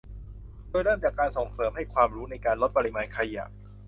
โดยเริ่มจากการส่งเสริมให้ความรู้ในการลดปริมาณขยะ